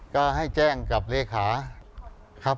ก็ให้แจ้งกับเลขาครับ